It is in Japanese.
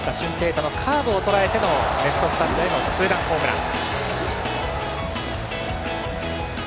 大のカーブをとらえてのレフトスタンドへのツーランホームラン。